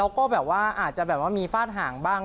ก็บอกว่าอาจจะแบบว่ามีฟาดห่างบ้าง